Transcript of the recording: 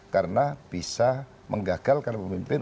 karena bisa menggagalkan pemimpin